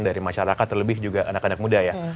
dari masyarakat terlebih juga anak anak muda ya